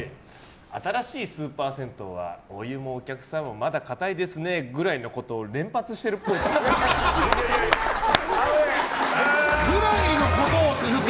新しいスーパー銭湯はお湯もお客さんもまだかたいですねぐらいのことを連発してるっぽい。ぐらいのことをって